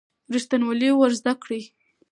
ریښتینولي ور زده کړئ.